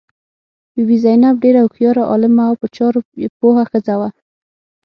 بي بي زینب ډېره هوښیاره، عالمه او په چارو پوه ښځه وه.